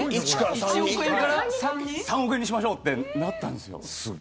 １億円から３億円にしましょうとなったんです。